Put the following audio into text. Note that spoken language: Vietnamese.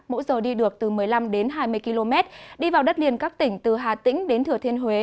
mỗi giờ đi được từ một mươi năm đến hai mươi km đi vào đất liền các tỉnh từ hà tĩnh đến thừa thiên huế